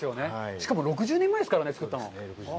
しかも、６０年前ですからね、造ったの。